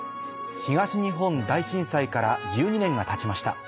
東日本大震災から１２年がたちました。